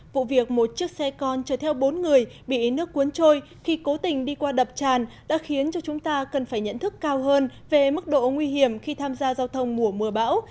vụ việc một chiếc xe con chở theo bốn người bị nước cuốn trôi khi cố tình đi qua đập tràn đã khiến cho chúng ta cần phải nhận thức cao hơn về mức độ nguy hiểm khi tham gia giao thông mùa mưa bão